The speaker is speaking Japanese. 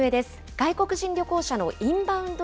外国人旅行者のインバウンド